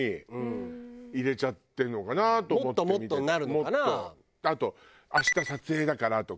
多分あと明日撮影だからとか。